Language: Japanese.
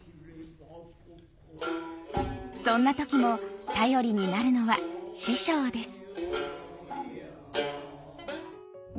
そんな時も頼りになるのは師匠です。